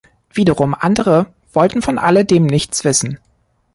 Wiederum andere wollten von alledem nichts wissen.